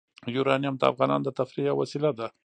یورانیم د افغانانو د تفریح یوه وسیله ده.